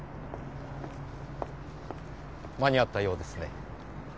間に合ったようですね。